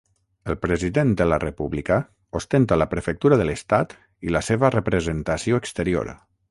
El President de la República ostenta la prefectura de l'estat i la seva representació exterior.